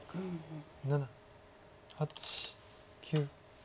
７８９。